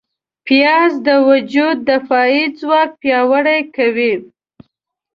پیاز د وجود دفاعي ځواک پیاوړی کوي